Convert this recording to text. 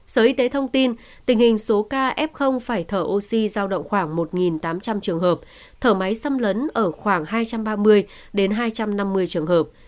sở y tế thông tin tình hình số ca f phải thở oxy giao động khoảng một tám trăm linh trường hợp thở máy xâm lấn ở khoảng hai trăm ba mươi đến hai trăm năm mươi trường hợp